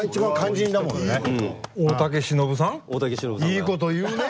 いいこと言うねえ。